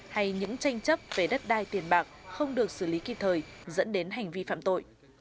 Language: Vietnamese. hay những tranh chấp về đất đai tiền bạc không được xử lý kịp thời dẫn đến hành vi phạm tội